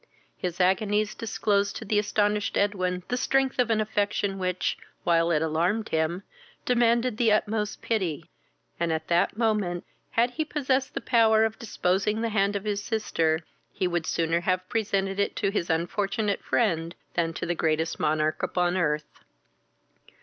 His agonies disclosed to the astonished Edwin the strength of an affection which, while it alarmed him, demanded the utmost pity; and, at that moment, had he possessed the power of disposing of the hand of his sister, he would sooner have presented it to his unfortunate friend than to the greatest monarch upon earth.